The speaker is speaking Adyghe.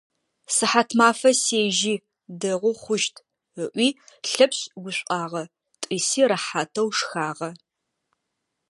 Сыхьатмафэ сежьи, дэгъоу хъущт, - ыӏуи Лъэпшъ гушӏуагъэ, тӏыси рэхьатэу шхагъэ.